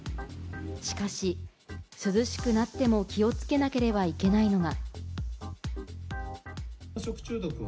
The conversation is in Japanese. しかし、涼しくなっても、気をつけなければいけないのが。